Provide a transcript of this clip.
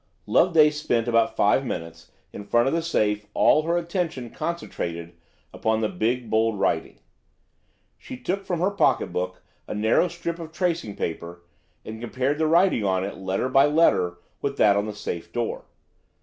Loveday spent about five minutes in front of this safe, all her attention concentrated upon the big, bold writing. She took from her pocket book a narrow strip of tracing paper and compared the writing on it, letter by letter, with that on the safe door.